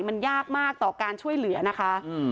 มันยากมากต่อการช่วยเหลือนะคะ